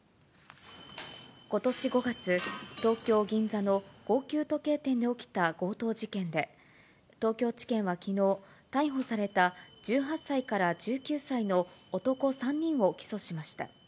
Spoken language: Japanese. ことし５月、東京・銀座の高級時計店で起きた強盗事件で、東京地検はきのう、逮捕された１８歳から１９歳の男３人を起訴しました。